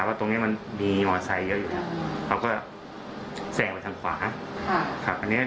ตำรวจขวาได้อย่างกับมอเซอร์